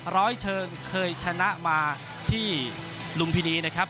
ร้อยเชิงเคยชนะมาที่ลุมพินีนะครับ